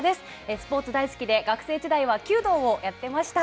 スポーツ大好きで、学生時代は弓道をやっていました。